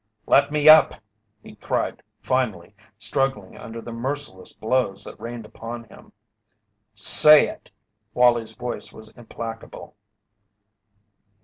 "Let me up!" he cried, finally, struggling under the merciless blows that rained upon him. "Say it!" Wallie's voice was implacable.